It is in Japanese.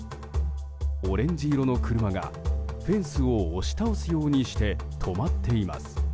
オレンジ色の車がフェンスを押し倒すようにして止まっています。